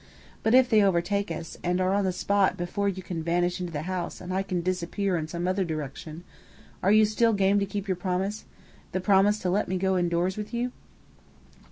But if they overtake us, and are on the spot before you can vanish into the house and I can disappear in some other direction, are you still game to keep your promise the promise to let me go indoors with you?"